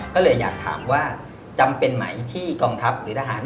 ก็เลยอยากถามว่าจำเป็นไหมที่กองทัพหรือทหาร